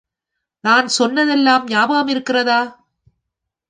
நான் சொன்னதெல்லாம் ஞாபகம் இருக்கிறதா?